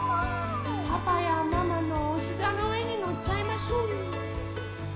パパやママのおひざのうえにのっちゃいましょう。